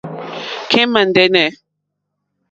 Kémà ndɛ́nɛ̀.